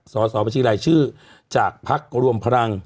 สอบบัญชีรายชื่อจากภักดิ์รวมพลัง